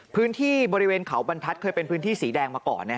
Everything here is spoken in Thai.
พื้นที่บริเวณเขาบรรทัศน์เคยเป็นพื้นที่สีแดงมาก่อน